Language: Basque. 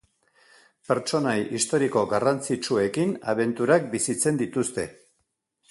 Pertsonai historiko garrantzitsuekin abenturak bizitzen dituzte.